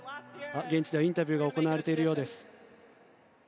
現地ではインタビューが行われています。